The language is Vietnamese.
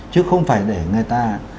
chứ không phải để người ta